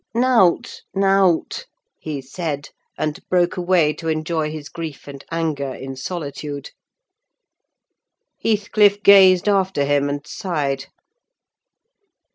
"Naught, naught," he said, and broke away to enjoy his grief and anger in solitude. Heathcliff gazed after him, and sighed.